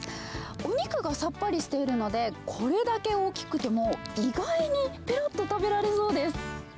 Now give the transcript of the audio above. お肉がさっぱりしているので、これだけ大きくても、意外にぺろっと食べられそうです。